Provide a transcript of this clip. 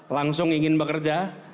langsung ingin bekerja